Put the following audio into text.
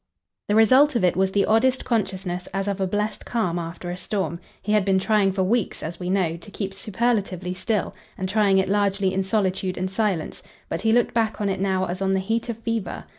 The result of it was the oddest consciousness as of a blest calm after a storm. He had been trying for weeks, as we know, to keep superlatively still, and trying it largely in solitude and silence; but he looked back on it now as on the heat of fever.